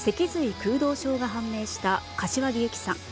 空洞症が判明した柏木由紀さん。